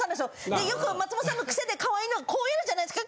でよく松本さんの癖で可愛いのこうやるじゃないですか。